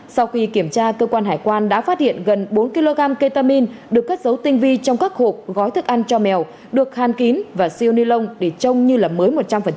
sau khi kiểm tra cơ quan hải quan đã phát hiện gần bốn kg ketamin được cất dấu tinh vi trong các hộp gói thức ăn cho mèo được hàn kín và siêu ni lông để trông như là mới một trăm linh